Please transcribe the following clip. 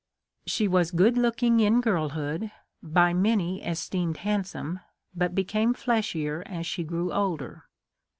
She was good looking in girlhood ; by many esteemed handsome, but became fleshier as she grew older.